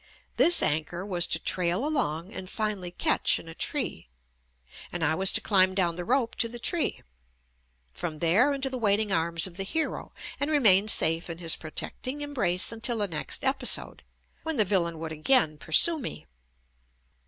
This anchor was to trail along and finally catch in a tree, and I was to climb down the rope to the SJUST ME tree, from there into the waiting arms of the hero and remain safe in his protecting embrace until the next episode, when the villain would again pursue me.